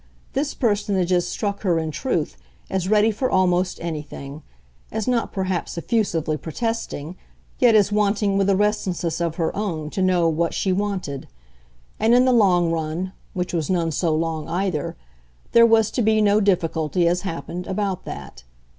This personage struck her, in truth, as ready for almost anything; as not perhaps effusively protesting, yet as wanting with a restlessness of her own to know what she wanted. And in the long run which was none so long either there was to be no difficulty, as happened, about that.